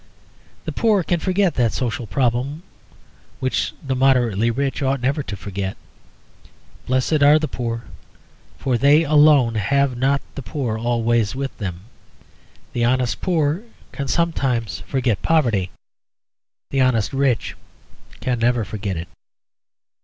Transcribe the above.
The poor can forget that social problem which we (the moderately rich) ought never to forget. Blessed are the poor; for they alone have not the poor always with them. The honest poor can sometimes forget poverty. The honest rich can never forget it.